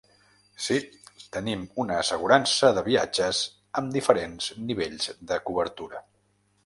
Si, tenim una assegurança de viatges amb diferents nivells de cobertura.